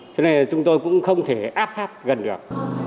cho nên là chúng tôi cũng không thể áp sát gần được